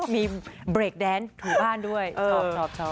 มีเบรกแดนถูบ้านด้วยสอบ